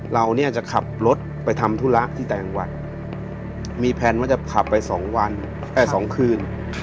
เราจะขับรถไปทำธุรักษ์ที่แต่งวัดมีแผนว่าจะขับไป๒คืน